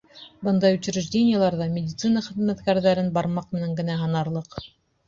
Бындай учреждениеларҙа медицина хеҙмәткәрҙәрен бармаҡ менән генә һанарлыҡ.